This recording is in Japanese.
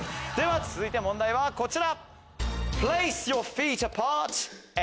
続いて問題はこちら！